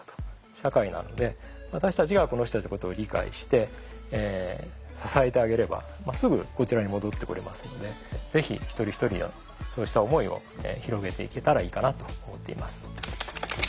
社会なので私たちがこの人たちのことを理解して支えてあげればすぐこちらに戻ってこれますのでぜひ一人一人のそうした思いを広げていけたらいいかなと思っています。